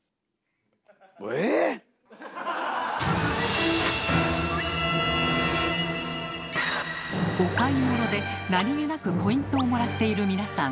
えぇ⁉お買い物で何気なくポイントをもらっている皆さん